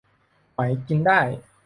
หมอยกินได้